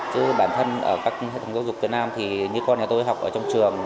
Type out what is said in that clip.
chứ bản thân ở các hệ thống giáo dục việt nam thì như con nhà tôi học ở trong trường